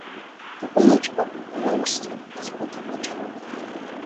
The Village of Lewiston is within the town.